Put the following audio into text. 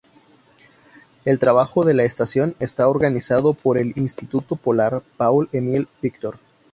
El trabajo de la estación está organizado por el Instituto Polar Paul-Émile Victor.